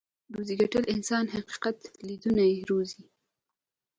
روزي ګټل انسان حقيقت ليدونی روزي.